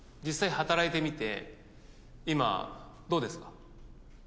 実際働いてみて今どうですか？